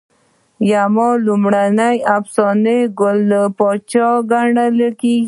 یما لومړنی افسانوي پاچا ګڼل کیږي